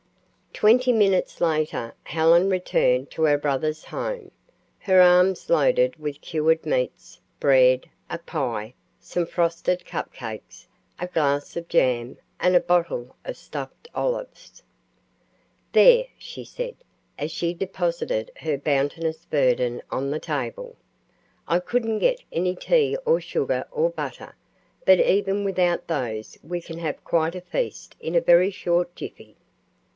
Twenty minutes later Helen returned to her brother's home, her arms loaded with cured meats, bread, a pie, some frosted cup cakes, a glass of jam, and a bottle of stuffed olives. "There," she said, as she deposited her bounteous burden on the table. "I couldn't get any tea or sugar or butter, but even without those we can have quite a feast in a very short jiffy."